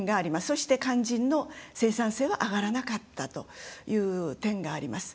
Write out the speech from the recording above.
そして、肝心の生産性は上がらなかったという点があります。